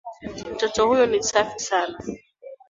Mtoto huyu ni safi sana.